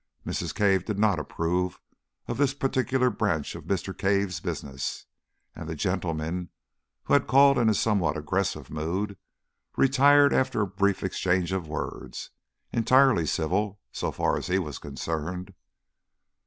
Mrs. Cave did not approve of this particular branch of Mr. Cave's business, and the gentleman, who had called in a somewhat aggressive mood, retired after a brief exchange of words entirely civil so far as he was concerned.